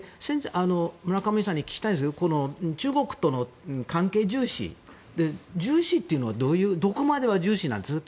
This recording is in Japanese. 村上さんに聞きたいんですが中国との関係重視といいますが重視というのはどこまでが重視なんですか？